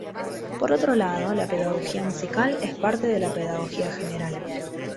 Por otro lado, la pedagogía musical es parte de la pedagogía general.